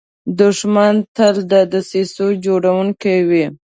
دښمن تل د دسیسو جوړونکی وي